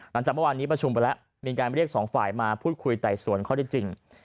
หลังจากเมื่อวานนี้ประชุมไปแล้วมีการเรียกสองฝ่ายมาพูดคุยไต่สวนข้อได้จริง